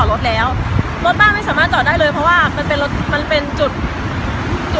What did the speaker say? รถแป้งไม่สามารถเจาะได้เลย